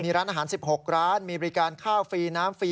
มีร้านอาหาร๑๖ร้านมีบริการข้าวฟรีน้ำฟรี